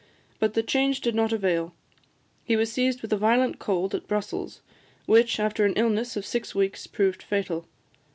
But the change did not avail; he was seized with a violent cold at Brussels, which, after an illness of six weeks, proved fatal.